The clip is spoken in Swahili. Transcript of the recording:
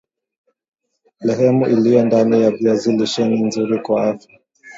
lehemu iliyo ndani ya viazi lisheni nzuri kwa afya